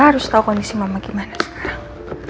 harus tahu kondisi mama gimana sekarang